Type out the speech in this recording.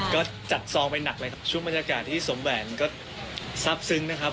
ก็จัดซองไปหนักเลยครับช่วงบรรยากาศที่สมแหวนก็ซับซึ้งนะครับ